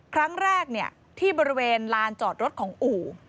ครั้งแรกที่บริเวณลานจอดรถของอู่